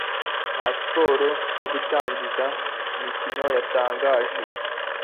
na siporo yo gutangiza imikino yatangije